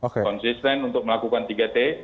konsisten untuk melakukan tiga t